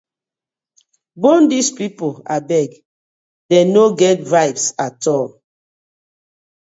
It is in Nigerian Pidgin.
Bone dis pipu abeg, dem no get vibes atol.